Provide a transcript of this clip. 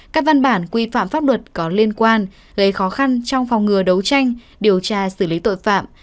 các văn bản quy phạm pháp luật có liên quan gây khó khăn trong phòng ngừa đấu tranh điều tra xử lý tội phạm